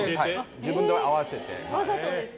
自分で合わせて。